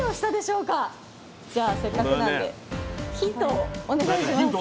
じゃあせっかくなんでヒントをお願いします。